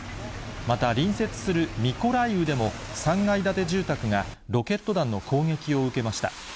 また、隣接するミコライウでも３階建て住宅がロケット弾の攻撃を受けました。